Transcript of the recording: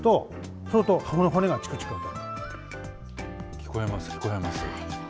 聞こえます、聞こえます。